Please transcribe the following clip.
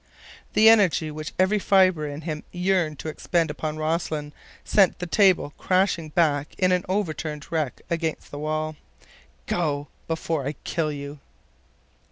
The energy which every fiber in him yearned to expend upon Rossland sent the table crashing back in an overturned wreck against the wall. "Go—before I kill you!"